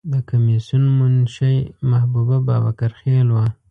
د کمیسیون منشی محبوبه بابکر خیل وه.